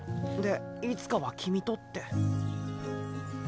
でいつかは君とって。